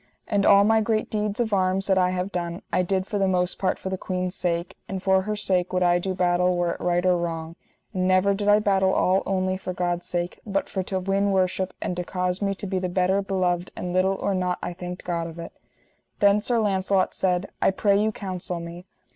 And all my great deeds of arms that I have done, I did for the most part for the queen's sake, and for her sake would I do battle were it right or wrong, and never did I battle all only for God's sake, but for to win worship and to cause me to be the better beloved and little or nought I thanked God of it. Then Sir Launcelot said: I pray you counsel me.